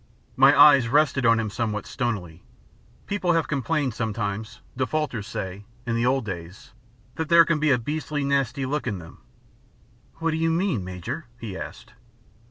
My eyes rested on him somewhat stonily. People have complained sometimes defaulters, say, in the old days that there can be a beastly, nasty look in them. "What do you mean, Major?" he asked.